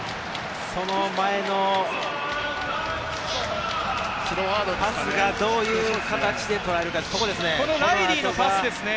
その前のスローフォワード、パスがどういう形で取られるか、ここですね。